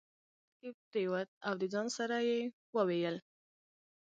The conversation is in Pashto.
هغه یوه شپه په خپل کټ کې پرېوت او د ځان سره یې وویل: